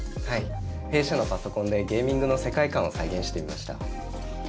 弊社のパソコンでゲーミングの世界観を再現してみました。